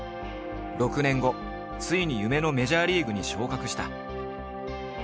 ６年後ついに夢のメジャーリーグに昇格した。